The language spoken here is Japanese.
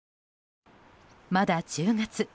まだ１０月。